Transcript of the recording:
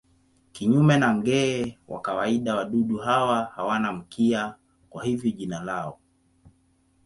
Kinyume na nge wa kawaida wadudu hawa hawana mkia, kwa hivyo jina lao.